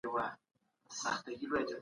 ده کړه وخت او زغم غواړي.